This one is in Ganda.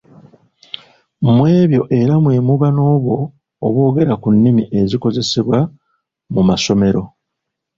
Mu ebyo era mwe muba n’obwo obwogera ku nnimi ezikozesebwa mu masomero.